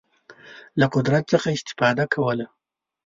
له قدرت څخه استفاده کوله.